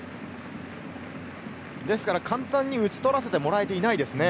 ですから簡単に打ち取らせてもらえていないですね。